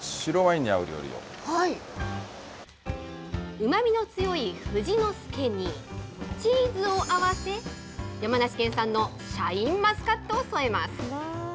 うまみの強い富士の介に、チーズをあわせ、山梨県産のシャインマスカットを添えます。